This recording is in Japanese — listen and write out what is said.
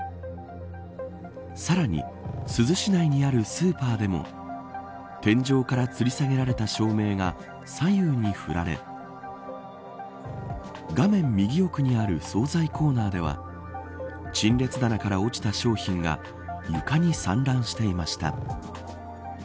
さらに珠洲市内にあるスーパーでも天井からつり下げられた照明が左右に振られ画面右奥にある総菜コーナーでは陳列棚から落ちた商品が床に散乱していました。